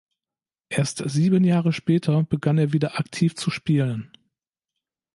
Erst sieben Jahre später begann er wieder aktiv zu spielen.